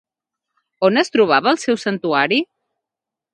On es trobava el seu santuari?